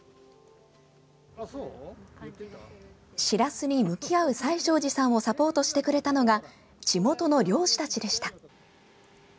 しらすに向き合う最勝寺さんをサポートしてくれたのが地元の漁師たちでした。